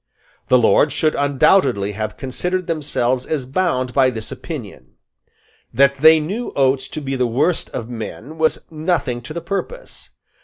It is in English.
The Lords should undoubtedly have considered themselves as bound by this opinion. That they knew Oates to be the worst of men was nothing to the purpose.